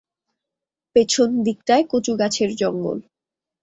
পেছন দিকটায় কচু গাছের জঙ্গল।